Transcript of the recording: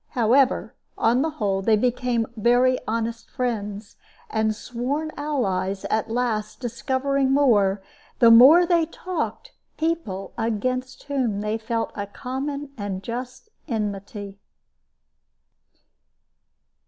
However, on the whole, they became very honest friends, and sworn allies at last, discovering more, the more they talked, people against whom they felt a common and just enmity.